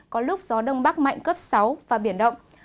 có lúc gió đông bắc mạnh cấp sáu và biển động